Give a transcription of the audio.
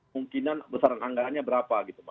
mungkinan besaran anggarannya berapa gitu pak